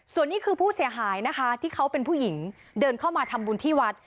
ส่วนนี้คือผู้เสียหายนะคะที่เขาเป็นผู้หญิงเดินเข้ามาทำบุญที่วัด